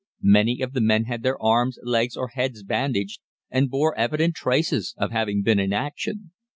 Many of the men had their arms, legs, or heads bandaged, and bore evident traces of having been in action.